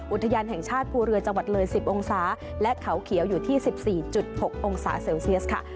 อุทยานแห่งชาติภูเรือจังหวัดเลย๑๐องศาและเขาเขียวอยู่ที่๑๔๖องศาเซลเซียสค่ะ